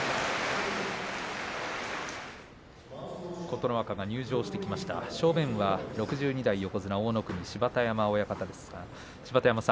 琴ノ若が入場してきました、正面側６２代横綱大乃国の芝田山親方です。